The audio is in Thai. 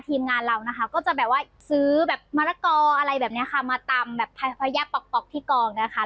ทีมงานเรามันจะซื้อมละกอมาทำพัยแบบปอกที่กอง